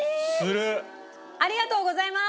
ありがとうございます。